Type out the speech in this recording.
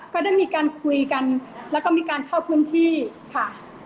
ก็ได้มีการคุยกันแล้วก็มีการเข้าพื้นที่ค่ะ